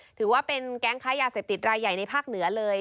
ถือว่าเป็นแก๊งค้ายาเสพติดรายใหญ่ในภาคเหนือเลย